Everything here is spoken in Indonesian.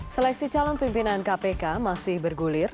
seleksi calon pimpinan kpk masih bergulir